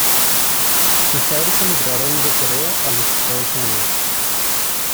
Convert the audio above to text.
Sus padres emigraron de Corea a los Estados Unidos.